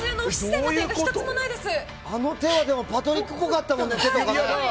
あの手はパトリックぽかったもんね。